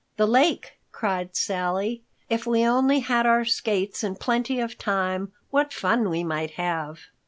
"The lake!" cried Sally. "If we only had our skates and plenty of time, what fun we might have."